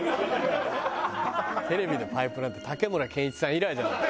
テレビでパイプなんて竹村健一さん以来じゃない？